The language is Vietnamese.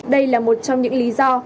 đây là một trong những lý do